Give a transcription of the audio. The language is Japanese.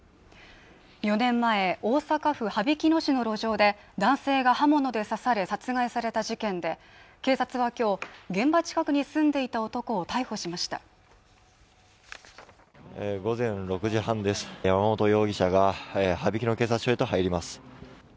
４年前大阪府羽曳野市の路上で男性が刃物で刺され殺害された事件で警察はきょう現場近くに住んでいた男を逮捕しました午前６時半です山本容疑者が羽曳野警察署へと入ります